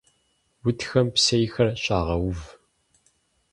Утхэм псейхэр щагъэув.